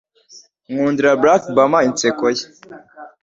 Nkundira Barack Obama inseko ye,